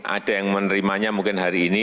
ada yang menerimanya mungkin hari ini